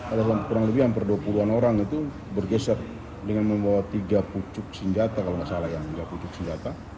ada kurang lebih hampir dua puluh an orang itu bergeser dengan membawa tiga pucuk senjata kalau nggak salah ya nggak pucuk senjata